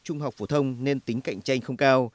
trung học phổ thông nên tính cạnh tranh